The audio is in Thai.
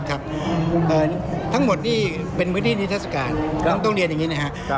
ทั้งหมดนี่เป็นพื้นที่นิทัศกาลต้องเรียนอย่างนี้นะครับ